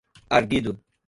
arguido